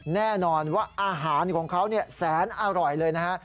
แน่นอนว่าอาหารของเขาแสนอร่อยเลยนะฮะ